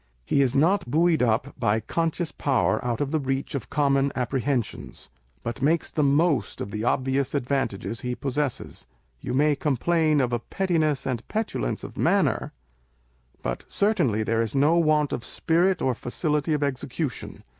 He is not buoyed up by conscious power out of the reach of common apprehensions, but makes the most of the obvious advantages he possesses. You may complain of a pettiness and petulance of manner, but certainly there is no want of spirit or facility of execution.